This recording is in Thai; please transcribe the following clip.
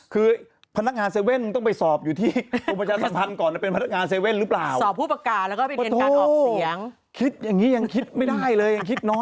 เขาบอกพูดเสียงแข็ง